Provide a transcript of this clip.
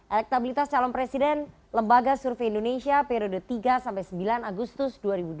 elektabilitas calon presiden lembaga survei indonesia periode tiga sampai sembilan agustus dua ribu dua puluh